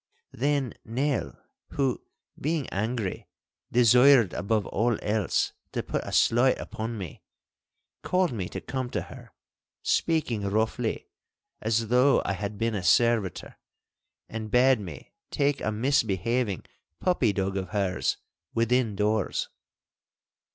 Then Nell, who, being angry, desired above all else to put a slight upon me, called me to come to her, speaking roughly as though I had been a servitor, and bade me take a misbehaving puppy dog of hers within doors.